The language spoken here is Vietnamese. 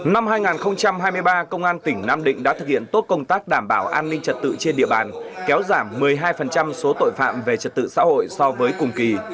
năm hai nghìn hai mươi ba công an tỉnh nam định đã thực hiện tốt công tác đảm bảo an ninh trật tự trên địa bàn kéo giảm một mươi hai số tội phạm về trật tự xã hội so với cùng kỳ